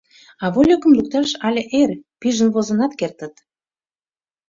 А вольыкым лукташ але эр: пижын возынат кертыт.